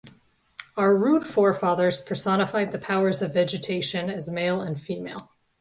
Our rude forefathers personified the powers of vegetation as male and female.